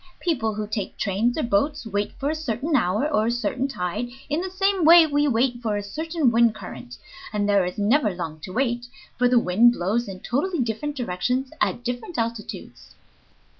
People who take trains or boats wait for a certain hour or a certain tide, in the same way we wait for a certain wind current, and there is never long to wait, for the wind blows in totally different directions at different altitudes."